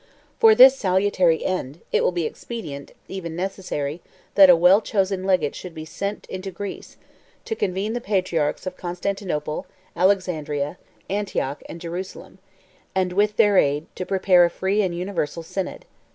For this salutary end, it will be expedient, and even necessary, that a well chosen legate should be sent into Greece, to convene the patriarchs of Constantinople, Alexandria, Antioch, and Jerusalem; and, with their aid, to prepare a free and universal synod.